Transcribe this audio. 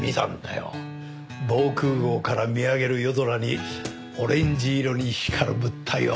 防空壕から見上げる夜空にオレンジ色に光る物体を。